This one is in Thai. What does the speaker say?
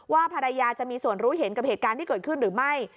ว่าภรรยาจะมีส่วนรู้เห็นกับเหตุการณ์ที่เกิดขึ้นหรือไม่